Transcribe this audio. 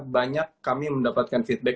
banyak kami mendapatkan feedback